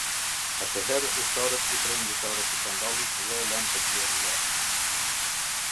Atëherë ushtarët i prenë litarët e sandallit dhe e lanë të bjerë jashtë.